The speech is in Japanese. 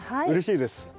うれしいです。